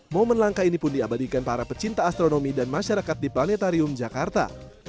momen langka ini pun diabadikan para pecinta astronomi dan masyarakat di planetarium jakarta